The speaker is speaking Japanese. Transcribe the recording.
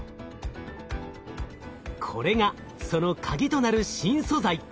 これがそのカギとなる新素材。